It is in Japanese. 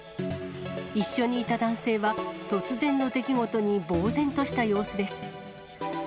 一緒にいた男性は、突然の出来事にぼう然とした様子です。